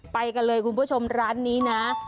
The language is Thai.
ไปกันเลยคุณผู้ชมร้านนี้นะ